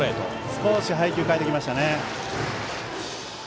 少し配球を変えてきましたね。